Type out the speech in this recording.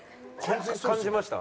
感じました？